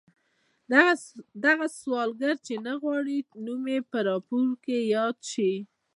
دغه سوداګر چې نه غواړي نوم یې په راپور کې یاد شي.